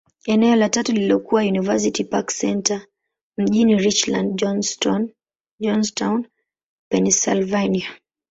Eneo la tatu lililokuwa University Park Centre, mjini Richland, Johnstown, Pennyslvania.